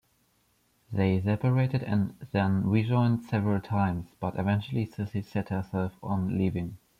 They separated and then rejoined several times, but eventually Cissy set herself on leaving.